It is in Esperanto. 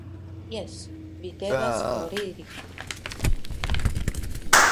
Jes, vi devas foriri